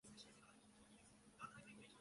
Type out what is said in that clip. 愛媛県松野町